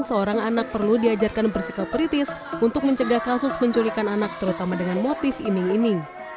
seorang anak perlu diajarkan bersikap kritis untuk mencegah kasus penculikan anak terutama dengan motif iming iming